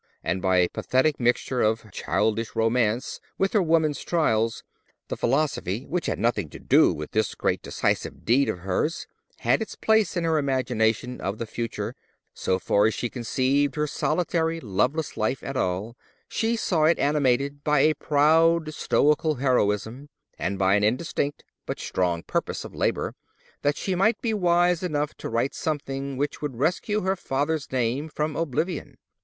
And by a pathetic mixture of childish romance with her woman's trials, the philosophy which had nothing to do with this great decisive deed of hers had its place in her imagination of the future: so far as she conceived her solitary loveless life at all, she saw it animated by a proud stoical heroism, and by an indistinct but strong purpose of labour, that she might be wise enough to write something which would rescue her father's name from oblivion.